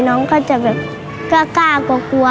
น้องก็จะแบบกล้ากลัวกลัว